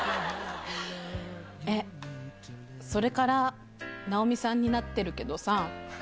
えっ、それから直美さんになってるけどさ。